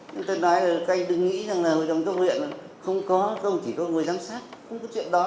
nhưng tôi nói là các anh đừng nghĩ rằng là hội đồng cấp huyện không có không chỉ có người giám sát không có chuyện đó